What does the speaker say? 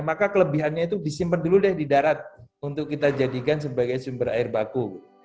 maka kelebihannya itu disimpan dulu deh di darat untuk kita jadikan sebagai sumber air baku